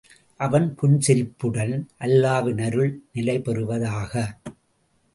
அவன் புன்சிரிப்புடன், அல்லாவின் அருள் நிலைபெறுவதாக!